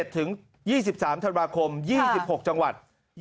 ถึง๒๓ธันวาคม๒๖จังหวัด